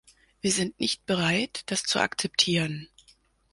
Wir sind nicht bereit, das zu akzeptieren.